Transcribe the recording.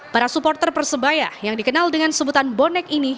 para supporter persebaya yang dikenal dengan sebutan bonek ini